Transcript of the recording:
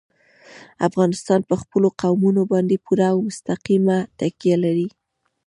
افغانستان په خپلو قومونه باندې پوره او مستقیمه تکیه لري.